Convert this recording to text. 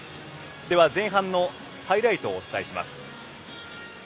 では、前半のハイライトをお伝えします。